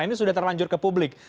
ini sudah terlanjur ke publik